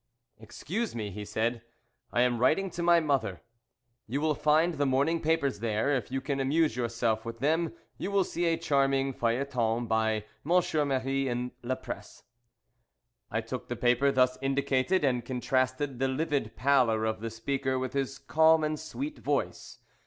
"Excuse me," he said, "I am writing to my mother. You will find the morning papers there; if you can amuse yourself with them you will see a charming feuilleton by M. Mèry in the Presse." I took the paper thus indicated, and contrasted the livid pallor of the speaker with his calm and sweet voice.